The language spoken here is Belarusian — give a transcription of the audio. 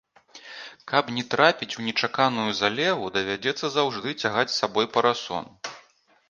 Каб не трапіць у нечаканую залеву, давядзецца заўжды цягаць з сабой парасон.